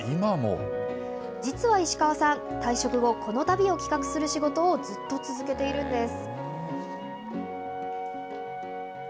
実は石川さん、退職後、この旅を企画する仕事をずっと続けているんです。